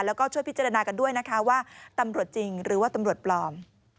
แล้วก็ช่วยพิจารณากันด้วยนะคะว่าตำรวจจริงหรือว่าตำรวจปลอม